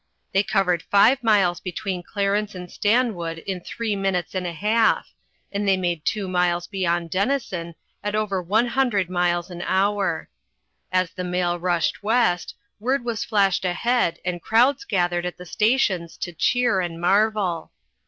They covered five miles between Clarence and Stanwood in three minutes and a half, and they made two miles beyond Dennison at over a hundred miles an hour. As the mail rushed west, word was flashed ahead, and crowds gathered at the stations to cheer and marvel.